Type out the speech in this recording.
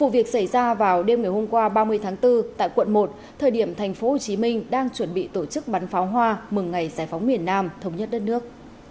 việc xảy ra vào đêm ngày hôm qua ba mươi tháng bốn tại quận một thời điểm thành phố hồ chí minh đang chuẩn bị tổ chức bắn pháo hoa mừng ngày giải phóng miền nam thống nhất đất nước